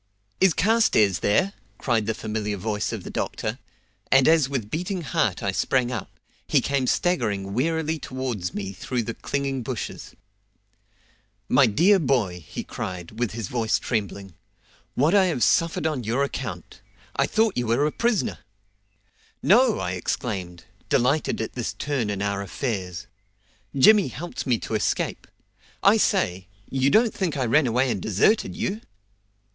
"Is Carstairs there?" cried the familiar voice of the doctor, and as with beating heart I sprang up, he came staggering wearily towards me through the clinging bushes. "My dear boy," he cried, with his voice trembling, "what I have suffered on your account! I thought you were a prisoner." "No!" I exclaimed, delighted at this turn in our affairs. "Jimmy helped me to escape. I say, you don't think I ran away and deserted you?"